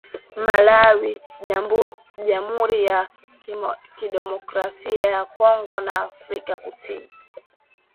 Malawi jamhuri ya kidemokrasia ya Kongo na Afrika kusini